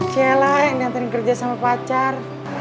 ciela yang dianterin kerja sama pacar